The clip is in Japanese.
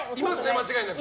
間違いなく。